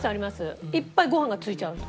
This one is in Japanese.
いっぱいご飯がついちゃう時。